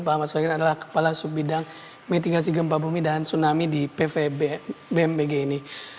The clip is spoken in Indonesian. pak ahmad solehin adalah kepala subbidang mitingasi gempa bumi dan tsunami di pvmbg ini